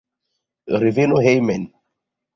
Reveno hejmen.